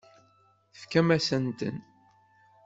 Tefkamt-asent-ten.